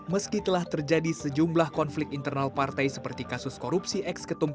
meski telah terjadi sejumlah konflik internal partai seperti kasus korupsi ex ketum